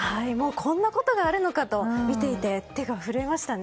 こんなことがあるのかと見ていて手が震えましたね。